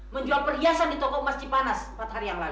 menjual perhiasan di toko emas cipanas empat hari yang lalu